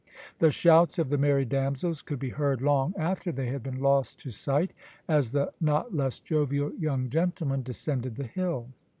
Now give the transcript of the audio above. The shouts of the merry damsels could be heard long after they had been lost to sight, as the not less jovial young gentlemen descended the hill.